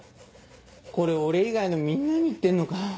これ俺以外のみんなに言ってんのか。